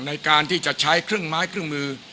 ในการที่จะใช้เครื่องไม้เครื่องมือ